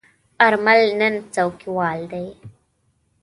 آرمل نن څوکیوال دی.